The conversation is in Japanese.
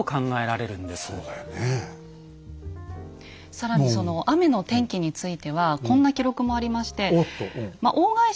更にその雨の天気についてはこんな記録もありまして。